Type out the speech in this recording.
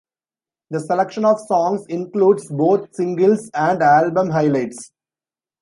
The selection of songs includes both singles and album highlights.